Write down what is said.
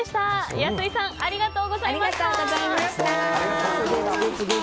安井さんありがとうございました！